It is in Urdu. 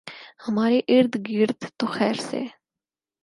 ہمارے اردگرد تو خیر سے